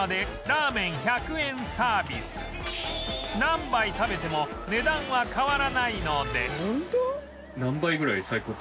何杯食べても値段は変わらないので